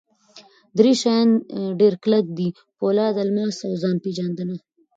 درې شیان ډېر کلک دي: پولاد، الماس اوځان پېژندنه.